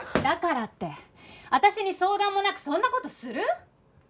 だからって私に相談もなくそんな事する？